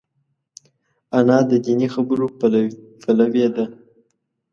انا د دیني خبرو پلوي ده